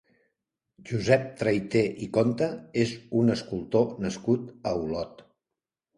Josep Traité i Compte és un escultor nascut a Olot.